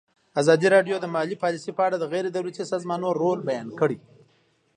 ازادي راډیو د مالي پالیسي په اړه د غیر دولتي سازمانونو رول بیان کړی.